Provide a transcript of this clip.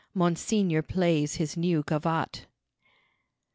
Monseigneur plays his new gavotte.